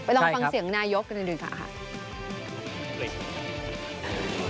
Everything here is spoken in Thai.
ลองฟังเสียงนายกกันดูค่ะ